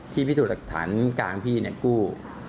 ที่พี่ถูกฐานกลางพี่กู้